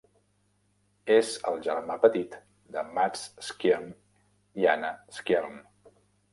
És el germà petit de Mads Skjern i Anna Skjern.